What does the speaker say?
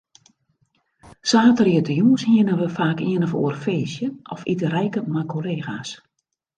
Saterdeitejûns hiene we faak ien of oar feestje of iterijke mei kollega's.